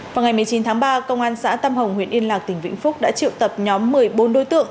vào ngày một mươi chín tháng ba công an xã tâm hồng huyện yên lạc tỉnh vĩnh phúc đã triệu tập nhóm một mươi bốn đối tượng